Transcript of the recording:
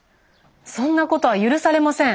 そんなことは許されません。